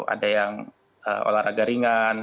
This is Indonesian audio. ada yang olahraga ringan